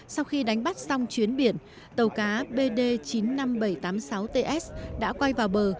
sau khi đánh bắt xong chuyến biển tàu cá bd chín mươi năm nghìn bảy trăm tám mươi sáu ts đã quay vào bờ